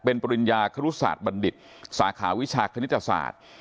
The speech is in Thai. เป็นปริญญาครุศาสตร์บัณฑิตสาขาวิชาคณิตศาสตร์